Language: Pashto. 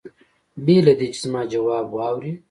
بې له دې چې زما ځواب واوري.